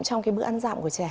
trong cái bữa ăn rau của trẻ